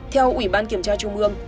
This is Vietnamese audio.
theo ủy ban kiểm tra trung ương